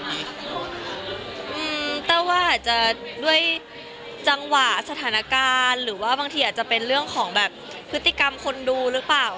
แต้วว่าอาจจะด้วยจังหวะสถานการณ์หรือว่าบางทีอาจจะเป็นเรื่องของแบบพฤติกรรมคนดูหรือเปล่า